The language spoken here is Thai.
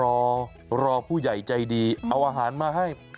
รอรอผู้ใหญ่ใจดีเอาอาหารมาให้